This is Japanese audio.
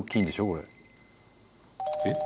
これえっ？